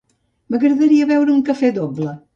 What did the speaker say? M'agradaria beure un cafè doble.